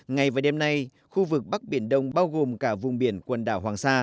ngày và đêm nay khu vực bắc biển đông bao gồm cả vùng biển quần đảo hoàng sa